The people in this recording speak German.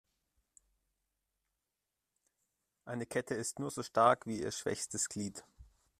Eine Kette ist nur so stark wie ihr schwächstes Glied.